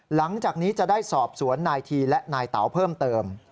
หลังจากนี้จะได้สอบสวนนายทีและนายเต๋าเพิ่มเติม